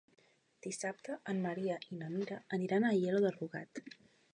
Dissabte en Maria i na Mira aniran a Aielo de Rugat.